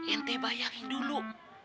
inti bayangin dulu